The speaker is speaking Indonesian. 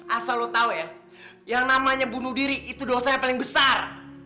asal lo tau ya yang namanya bunuh diri itu dosa yang paling besar